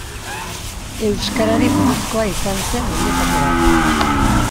Euskarari buruzkoa izan zen horietako bat.